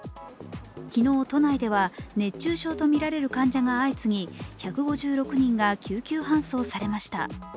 昨日、都内では熱中症とみられる患者が相次ぎ、１５６人が救急搬送されました。